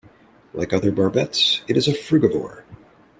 Like other barbets it is a frugivore.